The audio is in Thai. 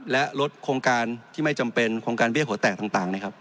และลดโครงการที่ไม่จำเป็นโครงการเบี้ยหัวแตกต่างนะครับ